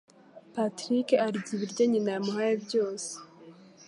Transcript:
Patrick arya ibyo nyina yamuhaye byose.